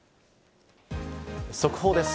速報です。